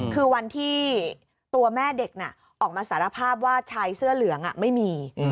คือวันที่ตัวแม่เด็กออกมาสารภาพว่าชายเสื้อเหลืองไม่มี